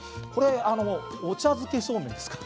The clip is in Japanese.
お茶漬けそうめんです。